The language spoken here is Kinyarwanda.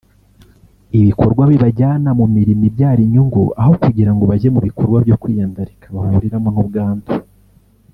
ibikorwa bibajyana mu mirimo ibyara inyungu aho kugira ngo bajye mu bikorwa byo kwiyandarika bahuriramo n’ubwandu